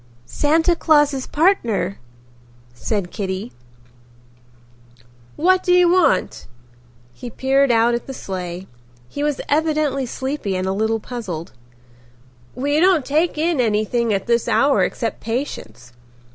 "Santa Claus's partner," said Kitty. "What do you want?" He peered out at the sleigh. He was evidently sleepy and a little puzzled. "We don't take in anything at this hour except patients."